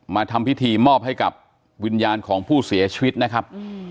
ทำพิธีมอบให้กับวิญญาณของผู้เสียชีวิตนะครับ